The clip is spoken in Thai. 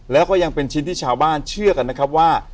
แล้วก็ยังเป็นชิ้นที่ชาวบ้านเชื่อกันนะครับว่า